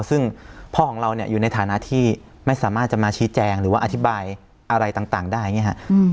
ซึ่งพ่อของเราเนี่ยอยู่ในฐานะที่ไม่สามารถจะมาชี้แจงหรือว่าอธิบายอะไรต่างได้อย่างนี้ฮะ